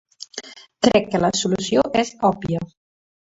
Crec que la solució és òbvia.